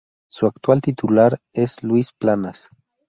Su actual titular es Luis Planas.